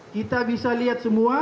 kita bisa lihat semua